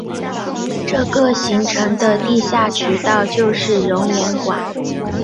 这个形成的地下渠道就是熔岩管。